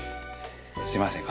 すいません